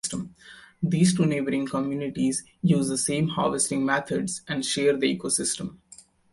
These two neighboring communities use the same harvesting methods and share the ecosystem.